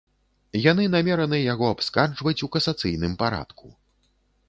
Яны намераны яго абскарджваць у касацыйным парадку.